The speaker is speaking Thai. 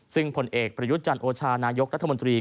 ซึ่งผลเอกประยุทธ์จันโอชานายกรัฐมนตรี